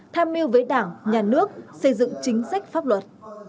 tham mưu với đảng nhà nước xây dựng chính sách pháp luật